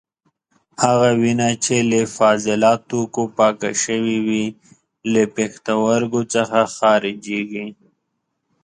هغه وینه چې له فاضله توکو پاکه شوې وي له پښتورګو څخه خارجېږي.